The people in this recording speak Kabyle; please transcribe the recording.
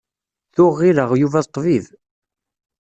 Tuɣ ɣilleɣ Yuba d ṭṭbib.